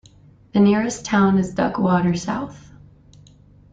The nearest town is Duckwater, south.